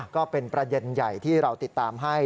ก็เป็นประเด็นใหญ่ที่เราติดตามให้